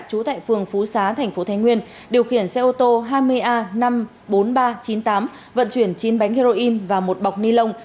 trú tại phường phú xá thành phố thái nguyên điều khiển xe ô tô hai mươi a năm mươi bốn nghìn ba trăm chín mươi tám vận chuyển chín bánh heroin và một bọc ni lông